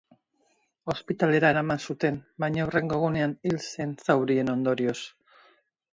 Ospitalera eraman zuten baina hurrengo egunean hil zen zaurien ondorioz.